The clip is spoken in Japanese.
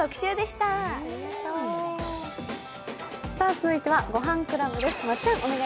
続いては「ごはんクラブ」です。